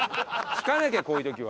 聞かなきゃこういう時は。